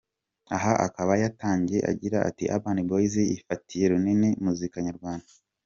Aha akaba yatangiye agira ati”Urban Boyz ifatiye runini muzika nyarwanda.